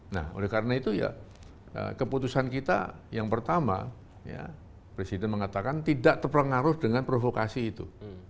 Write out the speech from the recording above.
nah oleh karena itu ya keputusan kita yang pertama presiden mengatakan tidak terpengaruh dengan provokasi itu